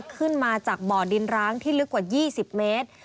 ขึ้นมาจากบ่อดินร้างที่ลึกกว่า๒๐เมตร